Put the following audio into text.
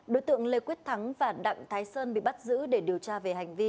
đối tượng lê quyết thắng và đặng thái sơn bị bắt giữ để điều tra về hành vi